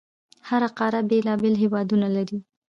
هره قاره بېلابېل هیوادونه لري.